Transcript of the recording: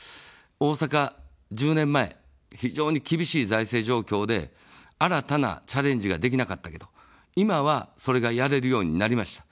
大阪１０年前、非常に厳しい財政状況で、新たなチャレンジができなかったけど、今は、それがやれるようになりました。